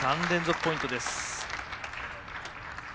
３連続ポイントです。